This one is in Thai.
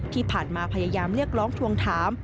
ที่ผ่านมาพยายามเรียกร้องทวงถาม